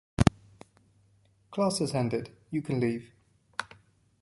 Class has ended, you can leave.